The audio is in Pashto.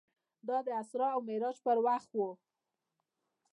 دا د اسرا او معراج پر وخت و.